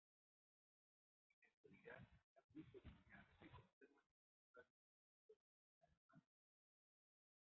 En actualidad la pieza original se conserva en el Museo Arqueológico Nacional de Madrid.